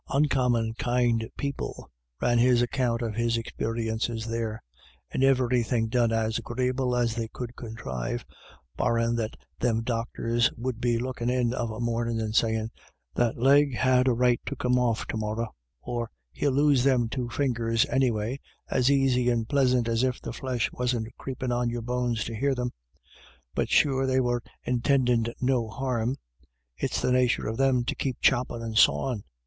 "Oncommon kind people," ran his account of his experiences there, "and iverythin' done as agree able as they could conthrive, barrin' that them doctors would be lookin' in of a mornin' and sayin', ' That leg had a right to come off to morra,' or ' He'll lose them two fingers, anyway,' as aisy and plisant as if the flesh wasn't creepin' on your bones to hear them. But sure they were intindin' no harm ; it's the nature of them to keep choppin' and sawin'.